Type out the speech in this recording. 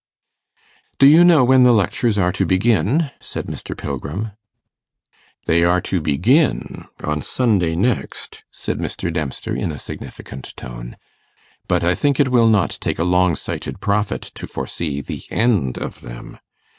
'Do you know when the lectures are to begin?' said Mr. Pilgrim. 'They are to begin on Sunday next,' said Mr. Dempster, in a significant tone; 'but I think it will not take a long sighted prophet to foresee the end of them.